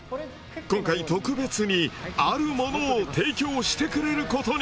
今回特別にあるものを提供してくれることに。